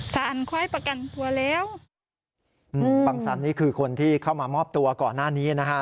อันค่อยประกันตัวแล้วอืมบังสันนี่คือคนที่เข้ามามอบตัวก่อนหน้านี้นะฮะ